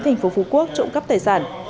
thành phố phú quốc trộm cắp tài sản